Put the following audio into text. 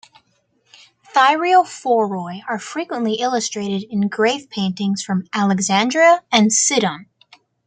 Thyreophoroi are frequently illustrated in grave paintings from Alexandria and Sidon.